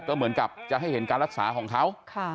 ก็เหมือนกับจะให้เห็นการรักษาของเขา